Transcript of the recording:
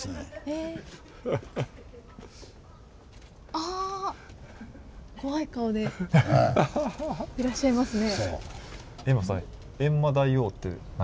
あ怖い顔でいらっしゃいますね。